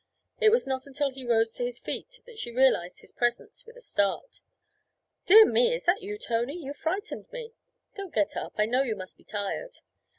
It was not until he rose to his feet that she realized his presence with a start. 'Dear me, is that you, Tony? You frightened me! Don't get up; I know you must be tired.'